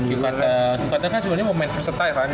cukaten kan sebenernya mau main freestyle kan